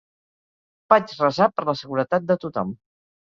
Vaig resar per la seguretat de tothom.